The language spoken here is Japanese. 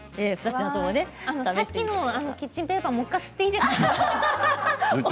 さっきのキッチンペーパー吸ってもいいですか。